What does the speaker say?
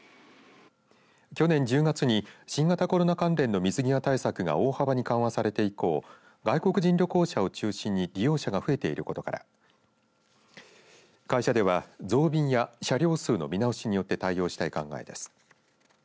去年１０月に新型コロナ関連の水際対策が大幅に緩和されて以降外国人旅行者を中心に利用者が増えていることから会社では増便や車両数の見直しによって対応したい考えです。